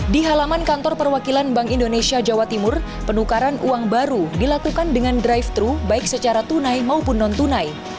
di halaman kantor perwakilan bank indonesia jawa timur penukaran uang baru dilakukan dengan drive thru baik secara tunai maupun non tunai